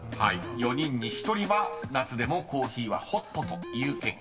［４人に１人は夏でもコーヒーはホットという結果でした］